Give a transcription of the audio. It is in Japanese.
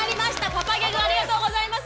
パパギャグありがとうございます。